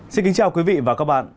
xin kính chào quý vị và các bạn